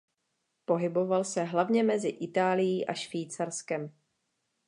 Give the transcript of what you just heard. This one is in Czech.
Pohyboval se hlavně mezi Itálií a Švýcarskem.